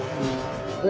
đấy tức là kiểu